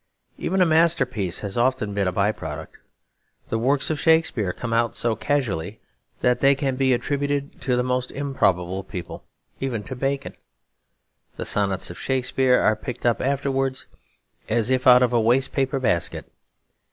Even a masterpiece has often been a by product. The works of Shakespeare come out so casually that they can be attributed to the most improbable people; even to Bacon. The sonnets of Shakespeare are picked up afterwards as if out of a wastepaper basket.